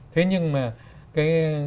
thế nhưng mà